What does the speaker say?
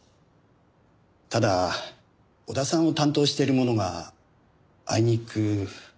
ただ小田さんを担当している者があいにく。